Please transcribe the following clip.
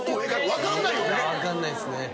分かんないっすね。